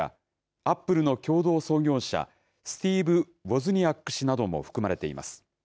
アップルの共同創業者スティーブ・ウォズニアック氏なども含まれています。